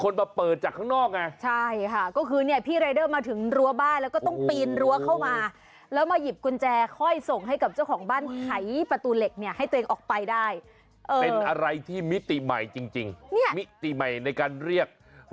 เรื่องแรกอยากให้ดูกันหน่อย